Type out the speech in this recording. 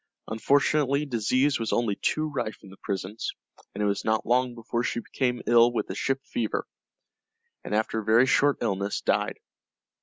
Unfortunately disease was only too rife in the prisons, and it was not long before she became ill with the ship fever, and after a very short illness died.